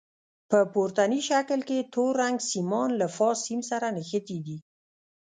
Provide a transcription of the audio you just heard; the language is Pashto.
په پورتني شکل کې تور رنګ سیمان له فاز سیم سره نښتي دي.